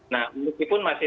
nah meskipun masih